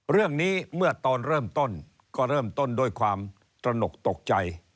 เรื่องนี้เมื่อตอนเริ่มต้นก็เริ่มต้นโดยความตระหนกตกใจ